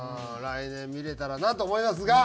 来年見れたらなと思いますが。